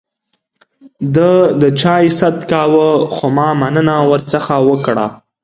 ده د چای ست کاوه ، خو ما مننه ورڅخه وکړه.